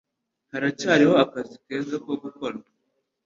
Haracyariho akazi keza ko gukora.